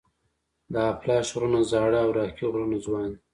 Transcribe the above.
د اپلاش غرونه زاړه او راکي غرونه ځوان دي.